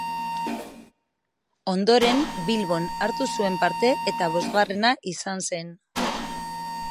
Ondoren Bilbon hartu zuen parte eta bosgarrena izan zen.